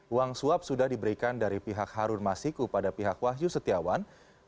uang suap sudah diberikan dari pihak harun masiku pada pihak wahyu setiawan